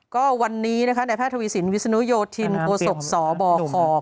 ก็วันนี้นะคะในแพทย์ทวีสินวิศนุโยธินโคศกสบค